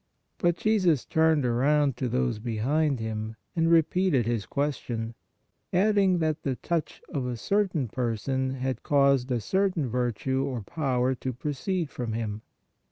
But Jesus turned around to those behind Him, and repeated His question, adding that the touch of a certain person had caused a certain virtue or power to pro ceed from Him.